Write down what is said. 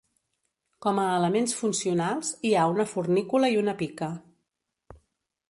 Com a elements funcionals hi ha una fornícula i una pica.